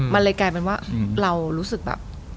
มันเลยกลายเป็นว่าเรารู้สึกแบบ